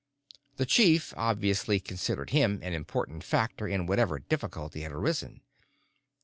The chief obviously considered him an important factor in whatever difficulty had arisen.